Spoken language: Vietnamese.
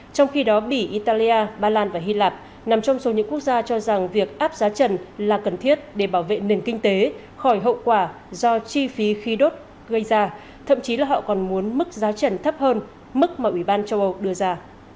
trong khi đó bỉ italia ba lan và hy lạp nằm trong số những quốc gia cho rằng việc áp giá trần là cần thiết để bảo vệ nền kinh tế khỏi hậu quả do chi phí khí đốt gây ra thậm chí là họ còn muốn mức giá trần thấp hơn mức mà ủy ban châu âu đưa ra